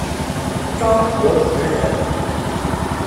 张伯淳人。